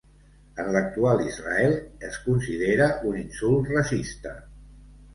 En l'actual Israel es considera un insult racista.